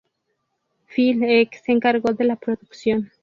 Phil Ek se encargó de la producción.